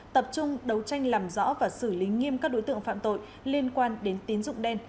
tập trung đấu tranh làm rõ và xử lý nghiêm các đối tượng phạm tội liên quan đến tín dụng đen